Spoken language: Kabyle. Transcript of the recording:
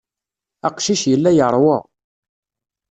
Aqcic yella yeṛwa.